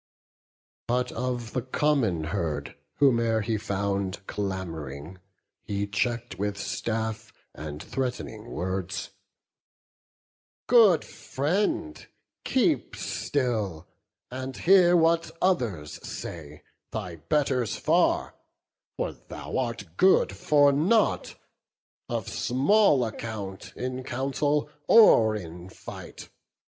But of the common herd whome'er he found Clam'ring, he check'd with staff and threat'ning words: "Good friend, keep still, and hear what others say, Thy betters far: for thou art good for nought, Of small account in council or in fight.